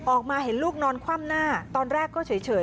ออกมาเห็นลูกนอนคว่ำหน้าตอนแรกก็เฉย